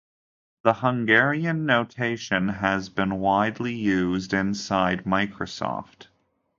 The Hungarian notation has been widely used inside Microsoft.